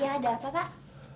iya ada apa pak